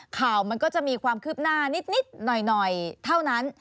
ข่าวมันก็จะมีความคืบหน้านิดหน่อยเท่านั้น